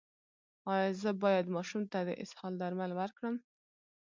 ایا زه باید ماشوم ته د اسهال درمل ورکړم؟